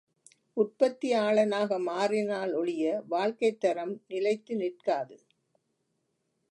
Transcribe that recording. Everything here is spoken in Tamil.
உற்பத்தியாளனாக மாறினால் ஒழிய வாழ்க்கைத் தரம் நிலைத்து நிற்காது.